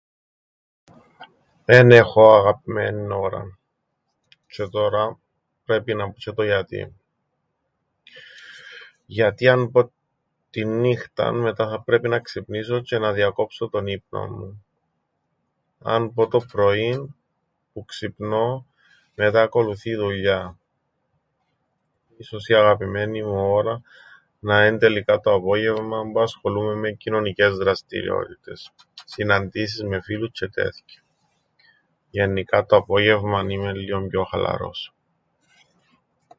Εν έχω αγαπημένην ώραν. Τζ̆αι τωρά πρέπει να πω τζ̆αι το γιατί. Γιατί αν πω την νύχταν, μετά θα πρέπει να ξυπνήσω τζ̆αι να διακόψω τον ύπνον μου. Αν πω το πρωίν, που ξυπνώ, μετά ακολουθεί η δουλειά. Ίσως η αγαπημένη μου ώρα να εν' τελικά το απόγευμαν που ασχολούμαι με κοινωνικές δραστηριότητες, συναντήσεις με φίλους τζ̆αι τέθκοια. Γεννικά το απόγευμαν είμαι λλίον πιο χαλαρός.